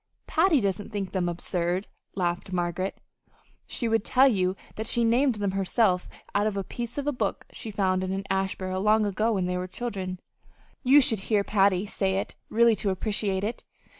"Patty doesn't think them absurd," laughed Margaret. "She would tell you that she named them herself out of a 'piece of a book' she found in the ash barrel long ago when they were children. You should hear Patty say it really to appreciate it.